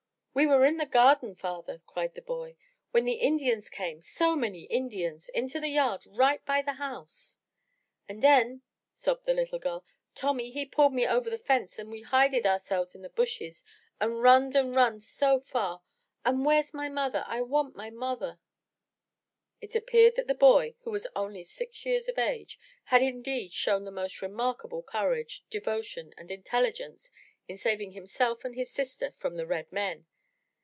"We were in the garden, father,*' cried the boy, "when the Indians came, so many Indians, into the yard right by the house!" "An' 'en," sobbed the little girl, "Tommy he pulled me over the fence, an' we hided ourselves in the bushes and runned an' runned so far! An' where's my mother? I want my mother!" It appeared that the boy, who was only six years of age, had indeed shown the most remarkable courage, devotion and intelli gence in saving himself and his sister from the red men.